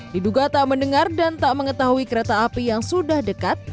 diduga tak mendengar dan tak mengetahui kereta api yang sudah dekat